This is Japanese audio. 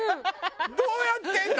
どうやってんだ？